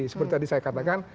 seperti tadi saya katakan